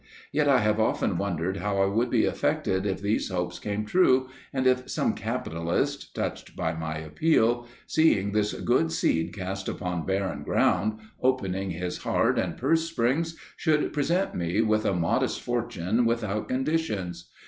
Yet I have often wondered how I would be affected if these hopes came true, and if some capitalist, touched by my appeal, seeing this good seed cast upon barren ground, opening his heart and purse strings, should present me with a modest fortune without conditions.